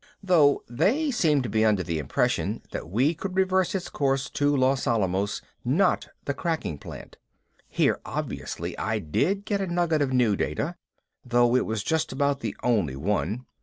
Though they seemed under the impression that we could reverse its course to Los Alamos, not the cracking plant. Here obviously I did get a nugget of new data, though it was just about the only one.